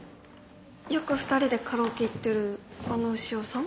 よく２人でカラオケ行ってるあの潮さん？